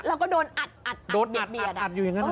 เราก็โดนอัดอยู่อย่างนั้นนะ